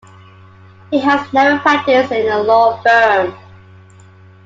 He has never practiced in a law firm.